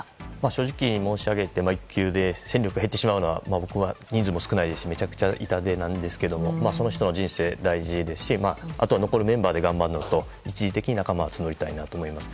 正直に申し上げて育休で戦力が減ってしまうのは人数も少ないですしめちゃくちゃ痛手なんですけどその人の人生は大事ですしあとは残るメンバーで頑張るのと、一時的に仲間を募りたいなと思います。